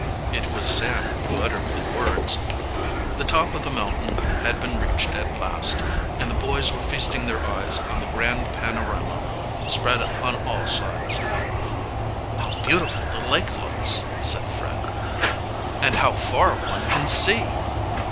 It was Sam who uttered the words. The top of the mountain had been reached at last, and the boys were feasting their eyes on the grand panorama spread on all sides. "How beautiful the lake looks!" said Fred. "And how far one can see!"